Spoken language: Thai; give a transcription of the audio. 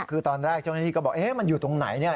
คือตอนแรกเจ้าหน้าที่ก็บอกมันอยู่ตรงไหนเนี่ย